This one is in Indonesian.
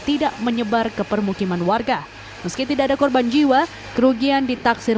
tidak menyebar ke permukiman warga meski tidak ada korban jiwa kerugian ditaksir